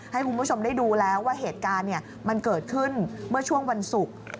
ให้คุณผู้ชมได้ดูแล้วว่าเหตุการณ์มันเกิดขึ้นเมื่อช่วงวันศุกร์